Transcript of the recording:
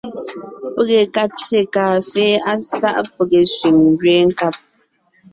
Pege ka pyé kàafé á sáʼ pege sẅiŋ ngẅeen nkab.